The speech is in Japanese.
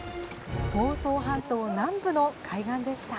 房総半島南部の海岸でした。